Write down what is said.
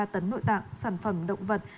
hai ba tấn nội tạng sản phẩm động vật